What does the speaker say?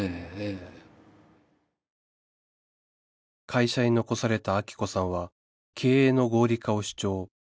会社に残されたアキ子さんは経営の合理化を主張